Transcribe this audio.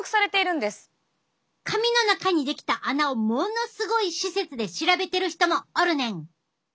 髪の中に出来た穴をものすごい施設で調べてる人もおるねん。